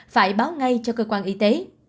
phải báo ngay cho cơ quan y tế